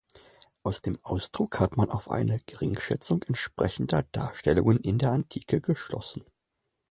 Aus dem Ausdruck hat man auf eine Geringschätzung entsprechender Darstellungen in der Antike geschlossen.